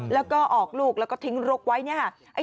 แล้วก็ออกลูกแล้วก็ทิ้งลกไว้